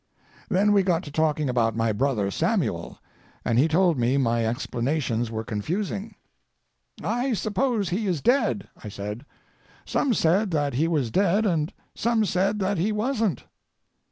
Then we got to talking about my brother Samuel, and he told me my explanations were confusing. "I suppose he is dead," I said. "Some said that he was dead and some said that he wasn't."